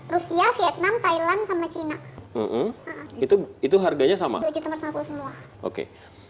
rusia vietnam thailand sama cina itu itu harganya sama oke